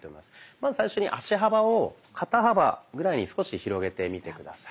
まず最初に足幅を肩幅ぐらいに少し広げてみて下さい。